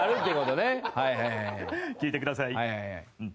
聞いてください。